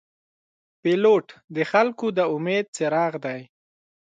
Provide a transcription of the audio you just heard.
پیلوټ د خلګو د امید څراغ دی.